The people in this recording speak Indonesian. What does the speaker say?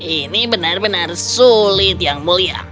ini benar benar sulit yang mulia